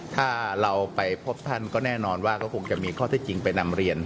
ถ้าเราไปพบท่านก็แน่นอนว่าก็คงจะมีข้อเท็จจริงไปนำเรียน